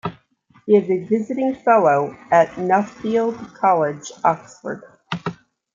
He is a visiting fellow at Nuffield College, Oxford.